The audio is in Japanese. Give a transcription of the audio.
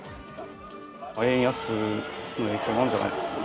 円安の影響なんじゃないですかね。